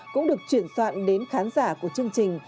cũng được chuyển soạn đến khán giả của chương trình